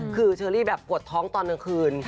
คือเชอรี่แบบปวดท้องตอนกลางคืน